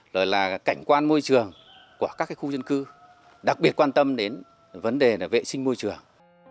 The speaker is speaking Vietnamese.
rồi là cảnh quan môi trường của các khu dân cư đặc biệt quan tâm đến vấn đề vệ sinh môi trường